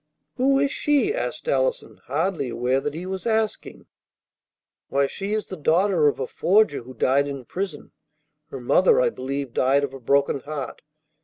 "Who is she?" asked Allison, hardly aware that he was asking. "Why, she is the daughter of a forger who died in prison. Her mother, I believe, died of a broken heart.